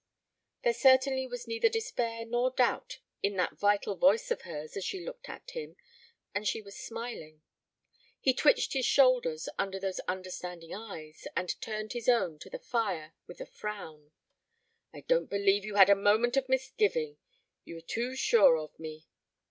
There certainly was neither despair nor doubt in that vital voice of hers as she looked at him, and she was smiling. He twitched his shoulders under those understanding eyes and turned his own to the fire with a frown. "I don't believe you had a moment of misgiving. You were too sure of me."